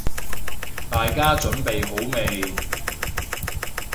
大家準備好未？